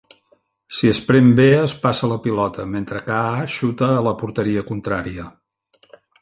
Si es prem B es passa la pilota, mentre que A xuta a la porteria contrària.